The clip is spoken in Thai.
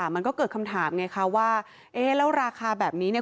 มันก็เกิดคำถามไงค่ะว่าแล้วราคาแบบนี้